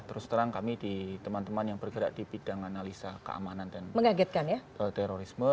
terus terang kami di teman teman yang bergerak di bidang analisa keamanan dan terorisme